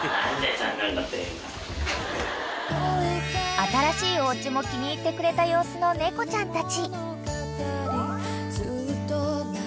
［新しいおうちも気に入ってくれた様子の猫ちゃんたち］